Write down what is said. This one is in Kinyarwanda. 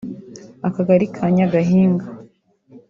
akagari ka Nyagahinga